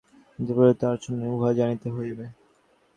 কিন্তু প্রকৃত আচার্যকে উহা জানিতে হইবে।